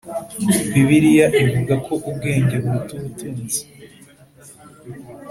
Bibiliya ivuga ko ubwenge buruta ubutunzi.